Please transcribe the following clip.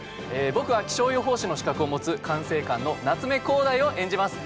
僕は気象予報士の資格を持つ管制官の夏目幸大を演じます。